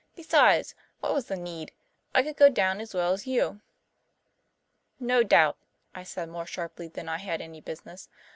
"Besides, what was the need? I could go down as well as you." "No doubt," I said, more sharply than I had any business to.